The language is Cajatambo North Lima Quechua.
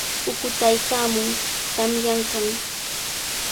Pukutaykaamun, tamyanqami.